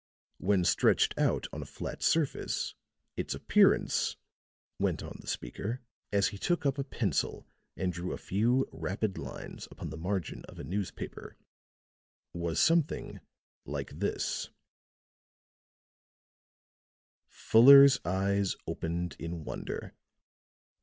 When stretched out on a flat surface its appearance," went on the speaker, as he took up a pencil and drew a few rapid lines upon the margin of a newspaper, "was something like this:" Fuller's eyes opened in wonder.